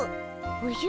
おじゃ？